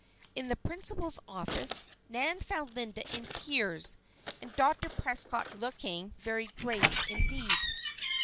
In the principal's office Nan found Linda in tears and Dr. Prescott looking very grave indeed.